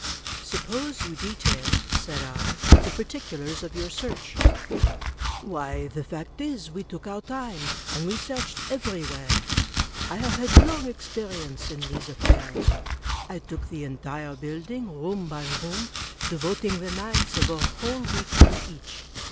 "Suppose you detail," said I, "the particulars of your search." "Why, the fact is, we took our time, and we searched everywhere. I have had long experience in these affairs. I took the entire build ing, room by room; devoting the nights of a whole week to each.